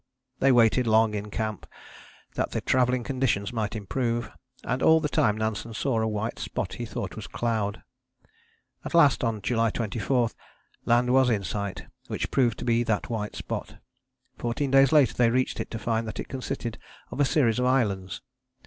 They waited long in camp, that the travelling conditions might improve, and all the time Nansen saw a white spot he thought was cloud. At last, on July 24, land was in sight, which proved to be that white spot. Fourteen days later they reached it to find that it consisted of a series of islands.